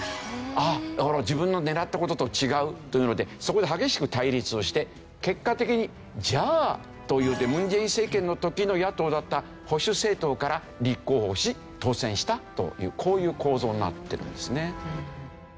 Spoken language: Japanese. だから自分の狙った事と違うというのでそこで激しく対立をして結果的に「じゃあ」といってムン・ジェイン政権の時の野党だった保守政党から立候補し当選したというこういう構造になってるんですね。